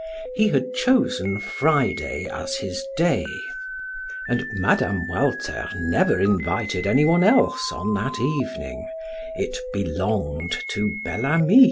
He had chosen Friday as his day, and Mme. Walter never invited anyone else on that evening; it belonged to Bel Ami.